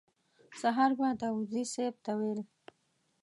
سهار به داوودزي صیب ته ویل.